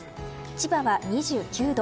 千葉は２９度。